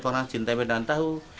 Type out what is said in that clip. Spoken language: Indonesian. orang jin tempe dan tahu